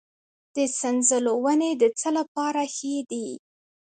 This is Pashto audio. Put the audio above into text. د سنځلو ونې د څه لپاره ښې دي؟